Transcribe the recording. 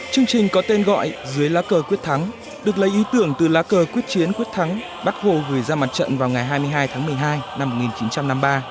chương trình có tên gọi dưới lá cờ quyết thắng được lấy ý tưởng từ lá cờ quyết chiến quyết thắng bắt hồ gửi ra mặt trận vào ngày hai mươi hai tháng một mươi hai năm một nghìn chín trăm năm mươi ba